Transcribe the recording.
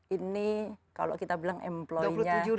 dua puluh tujuh ini kalau kita bilang employee nya